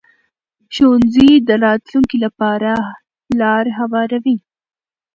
ښوونځی د راتلونکي لپاره لار هواروي